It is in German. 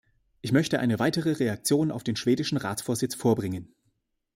Ich möchte eine weitere Reaktion auf den schwedischen Ratsvorsitz vorbringen.